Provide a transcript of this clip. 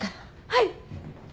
はい。